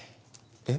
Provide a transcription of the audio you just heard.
えっ？